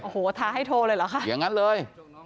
โอ้โหท้าให้โทรเลยเหรอคะอย่างนั้นเลย